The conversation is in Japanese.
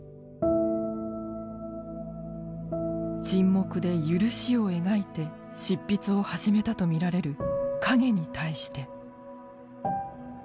「沈黙」でゆるしを描いて執筆を始めたと見られる「影に対して」。